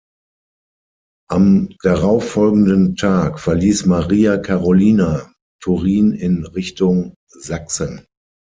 Am darauffolgenden Tag verließ Maria Carolina Turin in Richtung Sachsen.